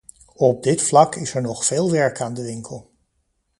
Op dit vlak is er nog veel werk aan de winkel.